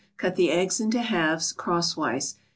Cut the eggs into halves, crosswise.